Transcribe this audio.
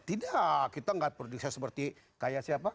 tidak kita nggak produksi seperti kayak siapa